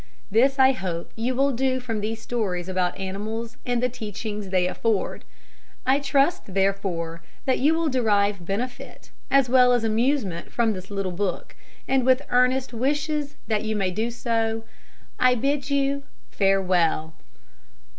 This, I hope, you will do from these stories about animals and the teachings they afford. I trust, therefore, that you will derive benefit, as well as amusement, from this little book; and with earnest wishes that you may do so, I bid you farewell.